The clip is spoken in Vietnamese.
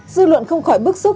xuyên tạc hình ảnh của đức phật